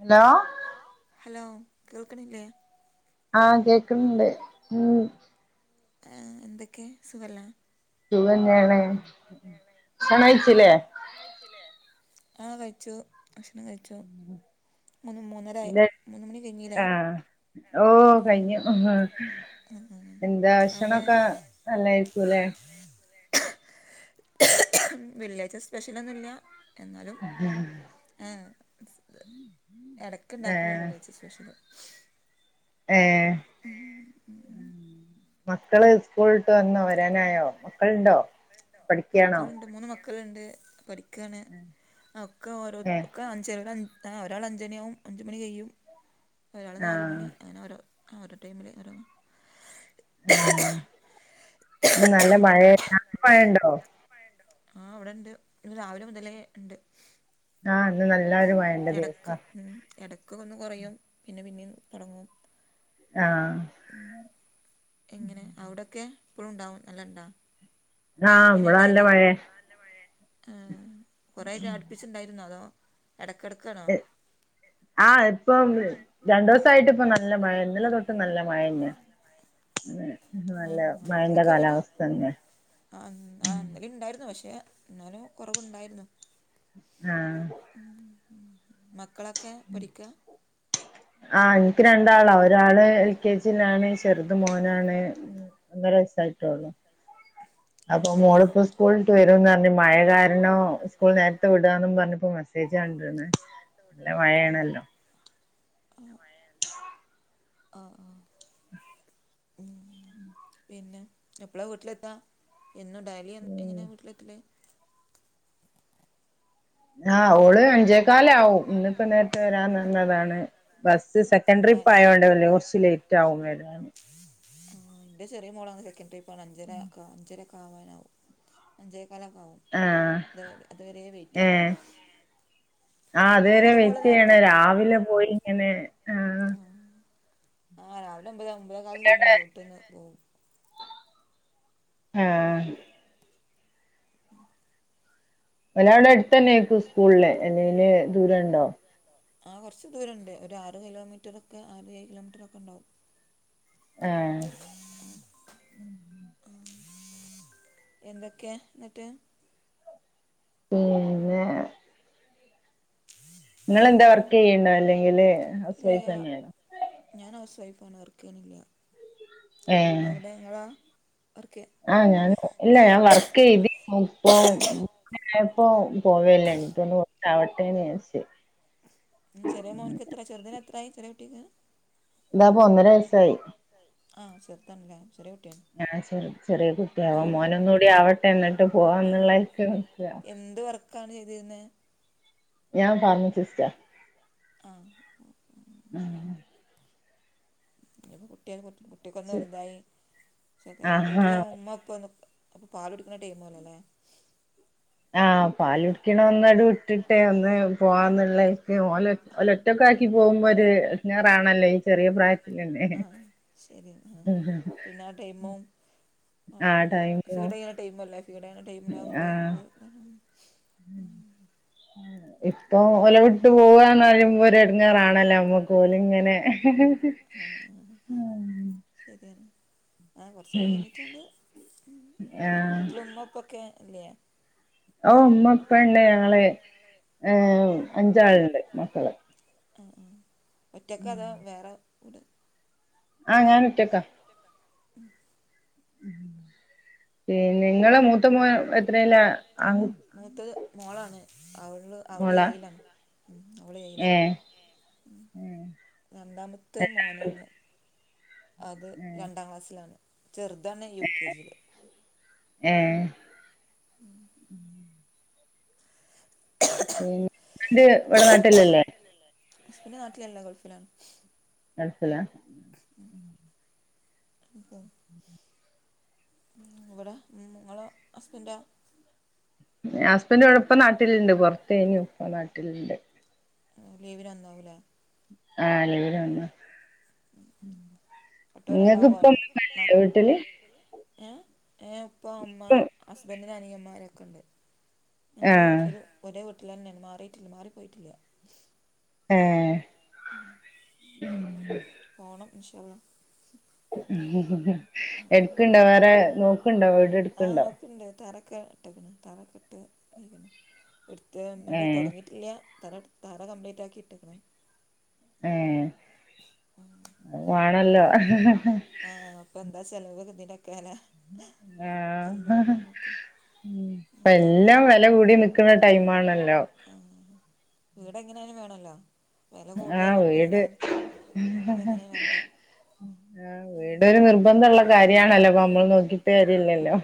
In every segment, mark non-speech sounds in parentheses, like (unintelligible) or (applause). Hello. Hello കേൾക്ക്ണില്ലേ ആഹ് കേക്കണ്ട് ഉം ഏഹ് എന്തൊക്കെസുഖല്ലേ സുഖം തന്നെ ആണ് ഭക്ഷണം കയ്ച്ചലെ ആ കഴിച്ചു ഭക്ഷണം കഴിച്ചു. എ ആഹ് ഓ കയ്ഞ്ഞു എന്താ ഭക്ഷണംക്കെ നല്ലായിരിക്കുംല്ലെ വെള്ളിയാഴ്ച സ്പെഷ്യലൊന്നുമില്ല എന്നാലും. ആഹ. (inaudible) ഇടെക്ക് ഉണ്ടാക്കളൊള്ളൂ വെള്ളിയാഴ്ച സ്പെഷ്യൽ ഏഹ് മക്കള് സ്കൂളിട്ട് വന്നോ വരാനായോ മക്കളുണ്ടോ? മക്കളുണ്ട് മൂന്ന് മക്കളുണ്ട് പഠിക്കയാണ് ഒക്കെ ഓരോ ഒക്കെ അഞ്ചര ആഹ് ഒരാൾ അഞ്ചണിയാവും അഞ്ചു മണി കയ്യും ഒരാൾ നാലുമണി അങ്ങനെ ഓരോ ആഹ് ഓരോ ടൈമിൽ ഓരോ ആഹ ഇന്ന് നല്ല മഴ മഴണ്ടോ ആഹ ഇവിടെണ്ട് ഇന്ന് രാവിലെ മുതലേ ഉണ്ട്. ആഹ ഇന്ന് നല്ലൊരു മഴന്റെ ദിവസാ ഇടയ്ക്ക് ഒന്ന് കുറയും പിന്നെ പിന്നീ തുടങ്ങും ആഹ. ആ എങ്ങനെ അവിടൊക്കെ ഇപ്പോഴും ഉണ്ടാവും നല്ല ഉണ്ടാ എങ്ങനെയണ്ടായ കൊറായിട്ട് അടുപ്പിച്ചിണ്ടായിരുന്നോ അതോ ഇടയ്ക്കെടക്കാണോ ആഹ ഇപ്പം രണ്ടു ദിവസായിട്ട് ഇപ്പ നല്ല മഴ ഇന്നലെ തൊട്ടും നല്ല മഴന്നെ അഹ് നല്ല മഴന്റെ കാലാവസ്ഥ തന്നെ ആ ആ് ഇന്നലേം ഇണ്ടായിരുന്നു പക്ഷെ എന്നാലും കുറവുണ്ടായിരുന്നു ആഹാ മക്കളൊക്കെ പഠിക്ക ആഹ ഇനിക്ക് രണ്ടാളാ ഒരാള് എൽ കെ ജി ൽ ആണ് ചെറുത് മോനാണ് ഒന്നര വയസ്സായിട്ടുള്ളൂ അപ്പൊ മോളപ്പോ സ്കൂളിട്ട് വരുംന്ന് പറഞ്ഞ് മഴ കാരണം സ്കൂൾ നേരത്തെ വിടാണ് ന്ന് പറഞ്ഞപ്പോ മെസ്ജ് മെസ്സേജ് കണ്ടിന്ന് നല്ല മഴയാണല്ലോ (unintelligible) ആഹ് ആഹ് (inaudible) ഉം പിന്നെ എപ്പളാ വീട്ടിലെത്താ, എന്നും ഡയിലി എങ്ങനെയാ വീട്ടിലെത്തല്? ആഹ് ഓള് അഞ്ചേകാലാവും, ഇന്നിപ്പോ നേരത്തെ വരാന്നു പറഞ്ഞതാണ്. ബസ് സെക്കൻഡ് ട്രിപ്പ് ആയോണ്ടേ കുറച്ച ലേറ്റ് ആവും വരാന്. ന്റെ ചെറിയ മോളങ്ങിനാ സെക്കന്റ് ട്രിപ്പാണ്. അഞ്ചര അഞ്ചരക്കെ ആവാനാവും. അഞ്ചേകാലൊക്കാവും. അത് അതുവരെ വെയിറ്റ് ചെയ്യണം. ആഹ് അതുവരെ വെയിറ്റ് യ്യണം രാവിലെ പോയി ഇങ്ങനെ ആ ആഹ് രാവിലെ ഒൻപത് ഒമ്പതേ കാലിന് മുൻപ് വീട്ടിട്ട്ന്ന് പോവും. ആഹ് ഉം അവരെ അവിടെ അടുത്തന്നെ- ആക്കും സ്കൂളില്ലേ, അല്ലേല് ദൂരം ഉണ്ടോ? ആഹാ കൊറച്ച് ദൂരം ഉണ്ട്, ഒരു ആറ് കിലോമീറ്റർ ഒക്കെ ആറ്, ഏഴ് കിലോമീറ്ററൊക്കെ ഉണ്ടാവും. ആഹാ.. ! (unintelligible) എന്തൊക്കെ എന്നിട്ട്? പിന്നെ.. ! (inaudible) നിങ്ങളെന്താ വർക്ക് ചെയ്യണ്ടോ? അല്ലെങ്കില് ഹൗസ് വൈഫ് തന്നെ? ഞാൻ ഹൗസ് വൈഫാണ് വർക്ക് ചെയ്യണില്ല, അവിടെ നിങ്ങളോ വർക്ക് ആ ഞാൻ ഇല്ല ഞാൻ വർക്ക് ചെയ്തിരുന്നു ഇപ്പോ പ്പോ പോവലില്ല എനിക്കൊന്നു കുറച്ചാവട്ടെന്ന് വിചാരിച്ചു. ഉം ചെറിയ മോനക്കെത്ര ചെറുതിനെത്രായി ചെറിയ കുട്ടിക്ക്? ഇതാപ്പോ ഒന്നര വയസ്സായി. ആഹാ ചെറുതാണല്ലേ ചെറിയ കുട്ടിയാ! ഞാൻ ചെറ ചെറിയ കുട്ടിയാവൻ- മോനൊന്നൂടി ആവട്ടെ എന്നിട്ട് പോവാന്നുള്ളയിക്കു നിക്കുവാ. എന്ത് വർക്ക? എന്ത് വർക്കാ ചെയ്തിരുന്നെ? ഞാൻ ഫാർമസിസ്റ്റാ. ആഹാ.. ! (unintelligible) ഇപ്പ കുട്ടികൾ കുട്ടിയൊക്കൊന്ന് വലുതായി, വീട്ടില് ഉമ്മപ്പന്ന്- ഇപ്പ പാല് കുടിക്കുന്ന ടൈമുവല്ലേല്ലേ? ആഹാ പാലുടിക്കണ ഒന്ന് അത് ഇട്ടിട്ടേ ഒന്ന് പോവാന്നുള്ളക്ക് ഓല്. ഓലൊറ്റക്കാക്കി പോകുമ്പോ ഒരു- ഇടങ്ങേറാണല്ലേ ഈ ചെറിയ പ്രായത്തിത്തന്നെ. ശരിയാ ആഹാ പിന്നെ ആഹാ ടൈമും അവർക്കുള്ള ഫീടെയേണ്ട- ടൈമല്ലേ ഫീഡ് ആഹാ ടൈമിലാകുമ്പോൾ നമ്മള് ഉം... ! ഇപ്പം ഓലെ വിട്ട് പോവാന്ന് പറയുമ്പോ ഒരെടങ്ങേറാണല്ലോമ്മക്ക് ഓലെങ്ങനെ ഉം ശരിയാണ്, ആ കുറച്ചുനാള് കഴിഞ്ഞിട്ടങ്ങട്, വീട്ടില് ഉമ്മ ഒക്കെ ഇല്ലേ ഓ ഉമ്മപ്പ ഉണ്ട് ഞങ്ങള് ഏ അഞ്ചാളുണ്ട് മക്കള്. ആഹ് ഒറ്റയ്ക്കൊ അതോ വേറെ വീട് ആ ഞാനൊറ്റക്കാ. പിന്നെങ്ങളെ മൂത്ത മോൻ എത്രേലാ? മൂത്തത് മോളാണ് അവൾ അവള് ഏഴിലാണ് ഉം, അവള് ഏഴിലാ രണ്ടാമത്തെ മോനാണ്. അത് രണ്ടാം ക്ലാസ്സിലാണ്. ചെറുതാന്നെ യു കെ ജിൽ. ഏഹ് ഉം (inaudible) ഹസ്ബൻഡ് ഇവിടെ നാട്ടിലില്ലേ? ഹസ്ബൻഡ് നാട്ടിലല്ല ഗൾഫിലാണ്. ഗൾഫില? (inaudible) (inaudible) മ് ഇവിടെ നിങ്ങള ഹസ്ബന്റോ? ഹസ്ബൻഡോടൊപ്പം നാട്ടിലുണ്ട് പുൊറത്തേനി ഇപ്പ നാട്ടിലുണ്ട് ലീവിന് വന്നാവൂല ആഹ് ലീവിന് വന്ന നിങ്ങക്ക് ഇപ്പം (unintelligible) വീട്ടില്? ഏഹ് ഉപ്പ ഉമ്മ ഹസ്ബൻറിന്റെ അനിയൻമാരൊക്കെ ഉണ്ട്. ഞങ്ങള് ഒരു ഒരേ വീട്ടിലാരന്നയാണ് മാറിട്ടില്ല മാറിപ്പോയിട്ടില്ല. ആഹ് ഉം ആഹ് പോണം ഇൻഷാ അല്ലാഹ്. എടുക്ക്ണ്ടോ വേറെ നോക്ക്ണ്ടോ വീട് എടുക്കണ്ടോ? ഇണ്ട് തറൊക്കെ ഇട്ടകണ് തറക്കെ ഇട്ട് എടുത്ത്ണ്ട് തുടങ്ങിയിട്ടില്ല തറ തറ കംപ്ലീറ്റ് ആക്കി ഇട്ടേക്കണ്. ഏ അത് വേണല്ലോ? ആഹ് പ്പൊ എന്താ ചെലവ് ഇതിനൊക്കെലെ കല്ലും (inaudible) മ്ഹ് എല്ലാം വില കൂടി നിക്കുന്ന ടൈംമാണല്ലോ? ആഹ് ഇവിടെ എങ്ങനെലും വേണല്ലോ? ആഹ് വീട് ആഹ് ഇവീടൊരു നിർബന്ധമുള്ള കാര്യാണല്ലോ അപ്പൊ നമ്മള് നോക്കിട്ട് കാര്യല്ലല്ലോ.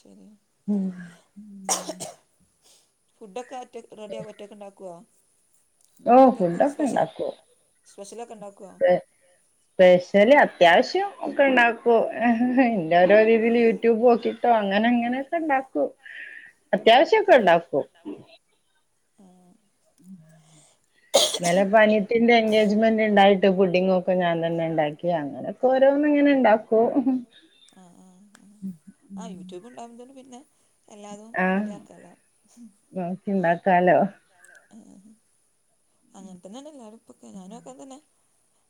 ശരി ഉം ഫുഡൊക്കെ ഒറ്റ റെഡിയ ഒറ്റക്ക് ണ്ടാക്കുവോ ഇടക്കൊക്കെ സ്പെഷ്യൽ സ്പെഷ്യലൊക്കെ ഉണ്ടാക്കോ? സ്പെഷ്യല് അത്യാവശ്യം ഒക്കെ ഉണ്ടാക്കൂ. എന്റെ ഓരോ രീതില് യൂട്യൂബോക്കി ട്ടോ അങ്ങനെ അങ്ങനെയൊക്കെ ഉണ്ടാക്കൂ അത്യാവശ്യോക്കെ ഉണ്ടാക്കും. ആഹ് (inaudible) ഇന്നലെ പ്പൊ അനിയത്തിന്റെ എൻഗേജ്മെന്റ് ഉണ്ടായിട്ട് ഫുഡിങ്ങൊക്കെ ഞാൻ തന്നെണ്ടാക്കി അങ്ങനെ ഓരോന്ന്ങ്ങനെ ണ്ടാക്കോ ആഹ് ആ ആ ആ യൂട്യൂബ് ഉണ്ടാവുന്നതോണ്ട് പിന്നെ എല്ലാതും റെഡിയാക്കാല്ലോ (unintelligible) (unintelligible) അങ്ങനത്തന്നെയല്ലേ ല്ലാരുപ്പൊക്കെ ഞാനുംഓക്കെ തന്നെ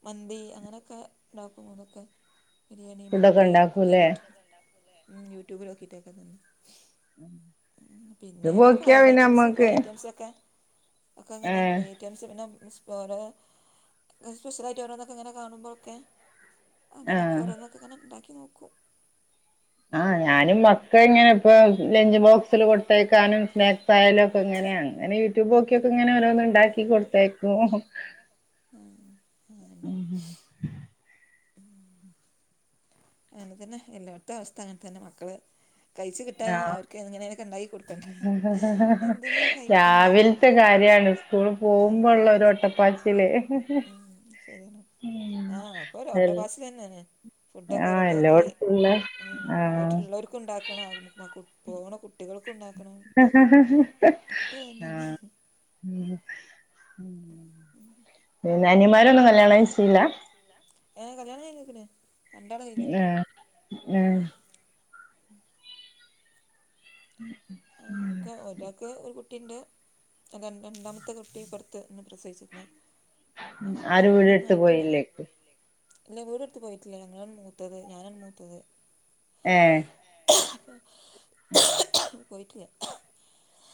മന്തി അങ്ങനെയൊക്കെ ഉണ്ടാക്കും അതൊക്കെ. ബിരിയാണി, മന്തി മ്ഹ് യൂട്യൂബിലോക്കിട്ടൊക്കെ തന്നെ. മ് പിന്നെ ഇങ്ങനെ ഫ്രൈഡ് ഐറ്റംസ് ഫ്രൈ ഐറ്റംസ് ഒക്കെ ഒക്കെ ഇങ്ങനെ (inaudible) പിന്നെ വേറെ സ്പെഷ്യലായിട്ട് ഓരോന്നൊക്കിങ്ങനെ കാണുമ്പോഴൊക്കെ അങ്ങനെക്കെ ഓരോന്നൊക്കെങ്ങനെ ഉണ്ടാക്കി നോക്കും. ആഹ് ഞാനും മക്കൾ ഇങ്ങനെ ഇപ്പ ലഞ്ച് ബോക്സിൽ കൊടുത്തേക്കാനും സ്നാക്സ് സായാലോക്കെങ്ങനെ അങ്ങനെ യൂടൂബോക്കിങ്ങനെ ഓരോന്ന്ണ്ടാക്കി ആഹ് അതന്നെ അങ്ങനെ തന്നെ എല്ലാടത്ത അവസ്ഥ അങ്ങനെ തന്നെ മക്കള് കഴിച്ച കിട്ടാനും അവർക്ക് എങ്ങനെയനൊക്കെ ഇണ്ടാക്കി കൊടുക്കണ്ടെ എന്തെങ്കിലോ കഴിക്കണ്ടെ രാവിൽത്തെ ശരിയാണ് ആഹ് ആഹ് ശരി ആണ് ആഹ് അപ്പൊ ഓരോട്ടോ പാച്ചില് തന്നെയാണ് ഞാൻ ഫുഡൊക്കെ റെഡിയാക്കി ഉം വീട്ടിലുള്ളവർക്ക് ഉണ്ടാക്കണ പോണ കുട്ടികൾക്കും ഉണ്ടാക്കണം തെഞ്ഞുനെ (inaudible) പിന്നെ അനിയമ്മാരൊന്നും കല്യാണം കഴിച്ചീല്ല ല്ലാ ഏ കാല്യാണകഴിഞ്ഞിക്ക്ണ് ആഹ് ആഹ് ഉം ഉ ഒക്കെ ഒരാ നക്ക് ഒരു കുട്ടീണ്ട് രണ്ട രണ്ടാമത്തെ കുട്ടിപ്പുറത്ത് ഇന്ന് പ്രസവിച്ചിക്ക്ണ് ആരു വീടെ എടുത്ത് പോയില്ലേക്ക് ഇല്ല വീടെടുത്ത് പോയിട്ടില്ലേ ഞങ്ങളാണ് മൂത്തത് ഞാനാണ് മൂത്തത് ഏഹ് ഏ പോയിട്ടില്ല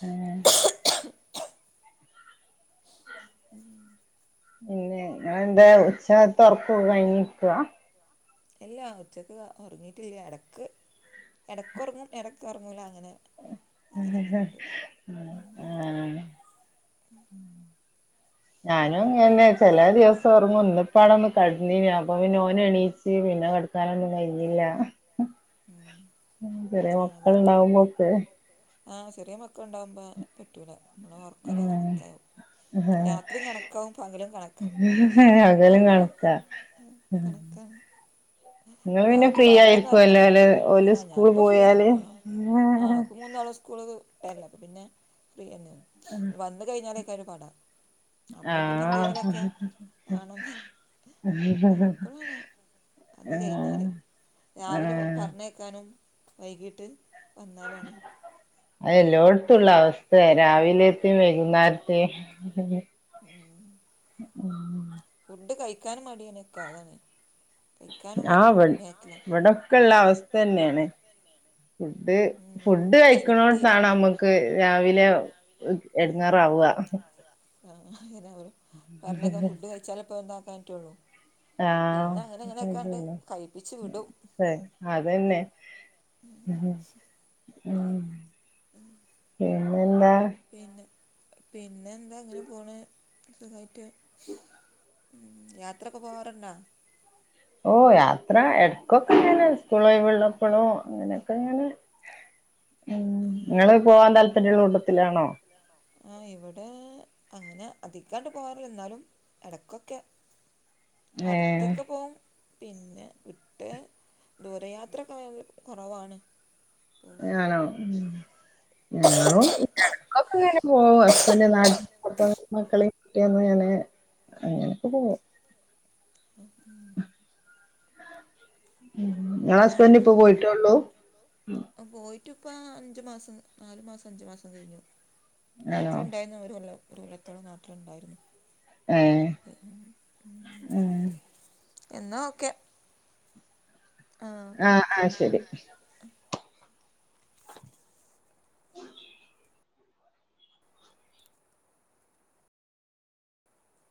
ഏഹ് (inaudible) ഉം പിന്നെ ഇങ്ങളെന്താ ഉച്ചാഹത്ത ഉറക്കൊക്കെ കഴിഞ്ഞിക്കുവാ ഇല്ലാ ഉച്ചക്ക് ഒറങ്ങിട്ടില്ല എടക്ക് ഇടക്കുറങ്ങും ഇടക്കുറങ്ങുല്ല അങ്ങനെ ആഹ് ഞാനുംങ്ങനെ ചെല ദിവസം ഒറങ്ങും ഇന്നിപ്പാടൊന്ന് കെടന്നിനി അപ്പം ഓന എണീച്ച് പിന്നെ കിടക്കാനൊന്നും കഴിയില്ല ചെറിയ മക്കൾണ്ടാവുമ്പോക്കെ ഉ ആഹ് ചെറിയ മക്കളണ്ടകുമ്പോ പറ്റൂല നമ്മളെ ഒറക്കൊക്കെ കണക് ആവും രാത്രി കണക്കാവും പകലും കണക്ക പകലും ഒക്കെ കണക്കാണ് രാത്രി പകലൊന്നർക്ക ആഹ് ഞാനിപ്പോ ഫ്രീയാണ് ആഹ് ആഹ് എക്ക് മൂന്നാളു സ്കൂള്ക് വിട്ടല്ലേ അപ്പ പിന്നെ ഫ്രീ തന്നെ വന്ന് കഴിഞ്ഞാലേക്കാലും പടാ അപ്പൊ പിന്നെ എന്തെങ്കിലും ഒക്കെ വേണക്കണ (unintelligible) വന്ന് കഴിഞ്ഞാല് രാവിലെ പറഞ്ഞ എഴിന്നോക്കാനും വൈകിട്ട് വന്നാലാണ് അത് എല്ലോടത്തുള്ള അവസ്ഥയ രാവിലെയത്തെയ വൈകുന്നേരത്തെയ ഉം ഉം ഫുഡ് കഴിക്കാനും മടിയനക്കെ അതാണ് കഴിക്കാനും ബാക്കിലാണ് ഒക്ക ഉള്ള അവസ്ഥ തന്നെയാണ് ഫുഡ് ഫുഡ് കഴിക്കണോട്ടാണ് നമ്മുക്ക് രാവിലെ (unintelligible) എടങ്ങാറാവുവാ ആഹ് അങ്ങനെ ആവുള്ളു പറഞ്ഞേക്കെ ഫുഡ് കഴിച്ചാല ഇപ്പോൾ എന്താക്കൻ പറ്റേള്ളൂ ആഹ് അത (unintelligible) അ അതന്നെ പിന്നന്താ പിന്നെ പിന്നെ എന്താ ഇങ്ങനെ പോണ് സുഖായിട്ട് ഉം യാത്രക്കെ പോവാറുണ്ടാ ഓ യാത്ര ഇടക്കൊക്കെ ഇങ്ങനെ സ്കൂൾ ഒഴിവള്ളപ്പഴോ അങ്ങനെയൊക്കെ ഇങ്ങനെ ഉം നിങ്ങള് പോവാൻ താല്പര്യള്ള കൂട്ടത്തിലാണോ ആ ഇവിടെ അങ്ങനെ അതികാട്ട് പോകാറില്ല ന്നാലും എടക്കൊക്കെ. അടുത്തൊക്കെ പോ പിന്നെ വിട്ട് ദൂരയാത്രക്കെ കുറവാണ്. ആണോ ഞങ്ങളും എടക്കൊക്കെങ്ങനെ പോവും ഹസ്ബന്റ് നാട്ടിലുള്ളപ്പൊ മക്കളീം (unintelligible) അങ്ങനക്കെ പോ (inaudible) ങ്ങളെ ഹസ്ബൻഡ് ഇപ്പൊ പോയിടട്ടൊള്ളു? പോയിട്ട് ഇപ്പ അഞ്ചു മാസം, നാലു മാസം, അഞ്ചു മാസം കഴിഞ്ഞു. നാട്ടിലുണ്ടായിരുന്നു. ഞാൻ ഒരു കൊല്ലം ഒരു കൊല്ലത്തോളം നാട്ടില്ണ്ടാരുന്നു. ഏഹ്. എന്നാ ഓക്കേ. ആ ഓക്കേ ഓക്കേ